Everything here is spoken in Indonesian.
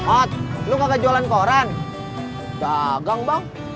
ot lu kagak jualan koran dagang bang